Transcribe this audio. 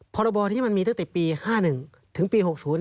พรบที่มันมีตั้งแต่ปี๕๑ถึงปี๖๐